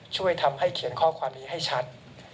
ช่วยทำให้เขียนข้อความนี้ให้ชัด